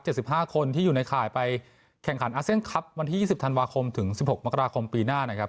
สิบห้าคนที่อยู่ในข่ายไปแข่งขันอาเซียนคลับวันที่ยี่สิบธันวาคมถึงสิบหกมกราคมปีหน้านะครับ